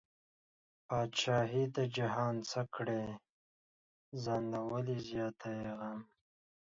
بادشاهي د جهان څه کړې، ځان له ولې زیاتی غم